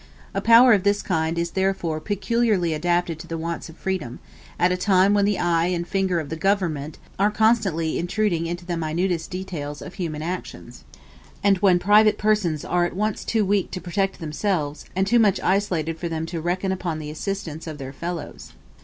A power of this kind is therefore peculiarly adapted to the wants of freedom, at a time when the eye and finger of the government are constantly intruding into the minutest details of human actions, and when private persons are at once too weak to protect themselves, and too much isolated for them to reckon upon the assistance of their fellows.